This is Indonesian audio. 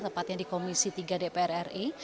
tepatnya di komisi tiga dpr ri